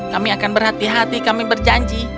kami akan berhati hati kami berjanji